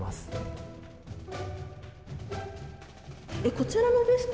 こちらのべスト